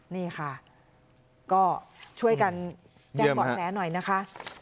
นี่ค่ะก็ช่วยกันแจ้งเบาะแสหน่อยนะคะ